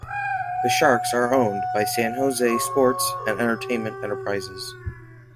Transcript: The Sharks are owned by San Jose Sports and Entertainment Enterprises.